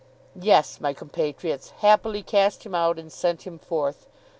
Yes, my compatriots, happily cast him out and sent him forth!